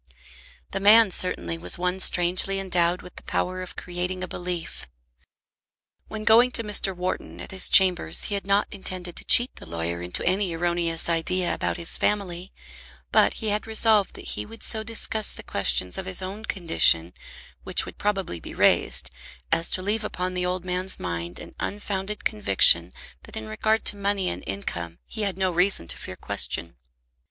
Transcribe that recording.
The man, certainly, was one strangely endowed with the power of creating a belief. When going to Mr. Wharton at his chambers he had not intended to cheat the lawyer into any erroneous idea about his family, but he had resolved that he would so discuss the questions of his own condition, which would probably be raised, as to leave upon the old man's mind an unfounded conviction that in regard to money and income he had no reason to fear question.